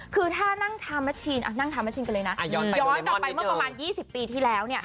คือถ้านั่งทาแมชชีนนั่งทาแมชชินกันเลยนะย้อนกลับไปเมื่อประมาณ๒๐ปีที่แล้ว